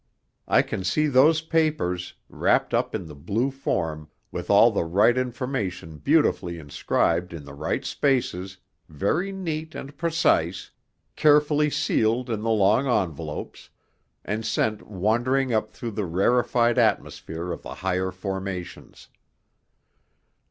I can see those papers, wrapped up in the blue form, with all the right information beautifully inscribed in the right spaces, very neat and precise, carefully sealed in the long envelopes, and sent wandering up through the rarefied atmosphere of the Higher Formations.